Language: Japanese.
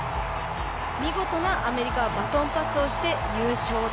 見事な、アメリカはバトンパスをして優勝と。